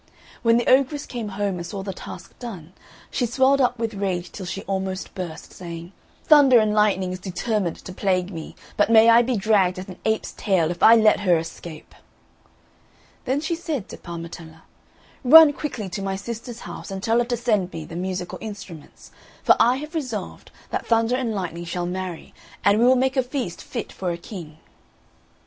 When the ogress came home and saw the task done, she swelled up with rage till she almost burst, saying, "Thunder and Lightning is determined to plague me, but may I be dragged at an ape's tail if I let her escape!" Then she said to Parmetella, "Run quickly to my sister's house, and tell her to send me the musical instruments; for I have resolved that Thunder and Lightning shall marry, and we will make a feast fit for a king."